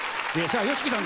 ＹＯＳＨＩＫＩさん